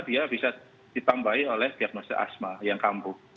dia bisa ditambahi oleh diagnosi asma yang kampuh